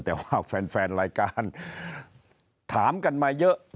แต่ว่าแฟนรายการถามกันมาเยอะ